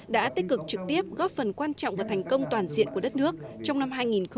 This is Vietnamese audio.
đã tích cực trực tiếp góp phần quan trọng và thành công toàn diện của đất nước trong năm hai nghìn hai mươi